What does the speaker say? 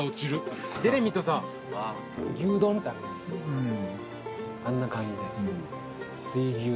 うん。